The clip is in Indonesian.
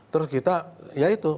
terus kita ya itu